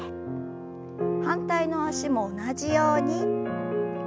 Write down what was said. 反対の脚も同じように。